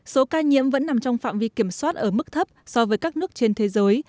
số ca nhiễm vẫn nằm trong phạm vi kiểm soát ở mức thấp so với các nước trên thế giới